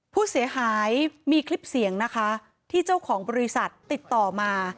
ผู้เสียหายมีคลิปเสียงนะคะที่เจ้าของบริษัทติดต่อมา